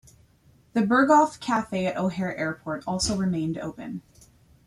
The Berghoff Cafe at O'Hare Airport also remained open.